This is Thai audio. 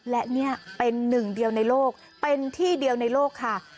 และนี่เป็นหนึ่งเดียวในโลกเป็นที่เดียวในโลกค่ะ